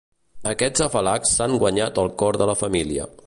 Aquests afalacs s'han guanyat el cor de la família.